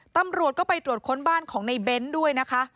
ตำรวจก็ไปตรวจค้นบ้านของในเบ้นด้วยนะคะ